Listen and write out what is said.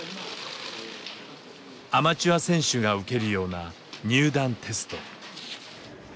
アマチュア選手が受けるような入団テスト。